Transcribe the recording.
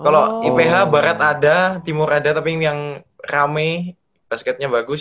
kalau iph barat ada timur ada tapi ini yang rame basketnya bagus